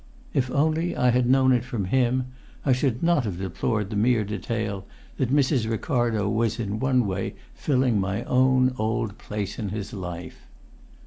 If only I had known it from him, I should not have deplored the mere detail that Mrs. Ricardo was in one way filling my own old place in his life.